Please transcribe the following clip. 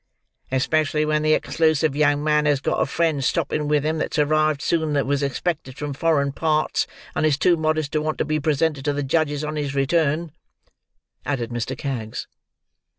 "Especially, when the exclusive young man has got a friend stopping with him, that's arrived sooner than was expected from foreign parts, and is too modest to want to be presented to the Judges on his return," added Mr. Kags.